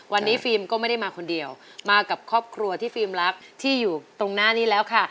วันนี้ฟิล์มก็ไม่ได้มาคนเดียวมากับครอบครัวที่ฟิล์มรักที่อยู่ตรงหน้านี้แล้วค่ะ